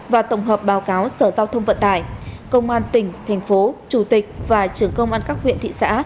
và tổng hợp báo cáo sở giao thông vận tải công an tỉnh thành phố chủ tịch và trưởng công an các huyện thị xã